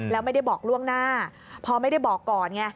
แล้วไม่ได้บอกล่วงหน้าพอไม่ได้บอกก่อนไง